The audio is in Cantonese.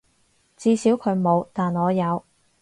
至少佢冇，但我有